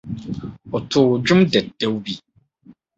Ɔtoo dwom dedaw bi.